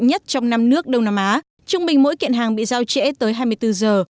nhất trong năm nước đông nam á trung bình mỗi kiện hàng bị giao trễ tới hai mươi bốn giờ